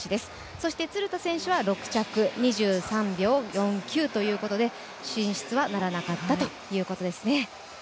そして鶴田選手は６着、２３秒４９ということで進出はならなかったということですね。